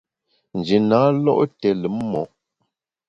Nji na lo’ té lùm mo’.